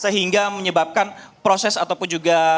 sehingga menyebabkan proses ataupun juga pemadaman yang tidak bisa terbakar